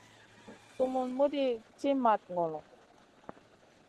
Sumun muɗi ci mat ŋolo.